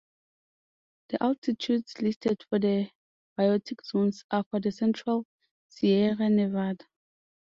The altitudes listed for the biotic zones are for the central Sierra Nevada.